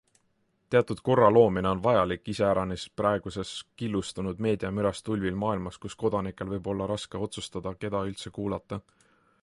Teatud korra loomine on vajalik iseäranis praeguses killustunud, meediamürast tulvil maailmas, kus kodanikel võib olla raske otsustada, keda üldse kuulata.